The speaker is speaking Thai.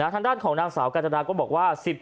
ทางด้านของนางสาวกาญจนาก็บอกว่า